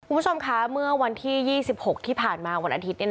คุณผู้ชมคะเมื่อวันที่๒๖ที่ผ่านมาวันอาทิตย์